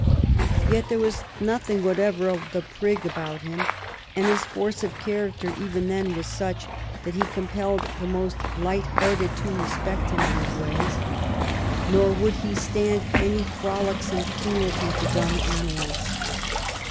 Yet there was nothing whatever of the "prig" about him, and his force of character even then was such that he compelled the most light minded to respect him and his ways. Nor would he stand any frolicsome cruelty to dumb animals.